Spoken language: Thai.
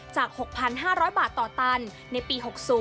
จาก๖๕๐๐บาทต่อตันในปี๖๐